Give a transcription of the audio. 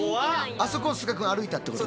あそこを須賀くん歩いたってこと。